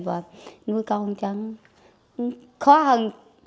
và nuôi con chẳng khó hơn